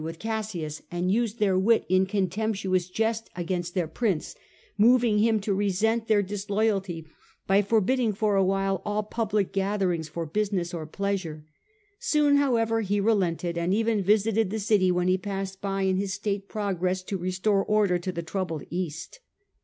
D. io8 The Age of the Antonines, Cassius, and used their wit in contemptuous jest against but went to thcir prince, moving him to resent their dis wdeTinthe loyalty by forbidding for a while all public East. gatherings for business or pleasure. Soon, however, he relented, and even visited the city, when he passed by in his state progress to restore order to the troubled East.